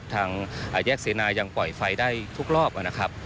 ทางแยกเสนายังปล่อยไฟได้ทุกรอบนะครับ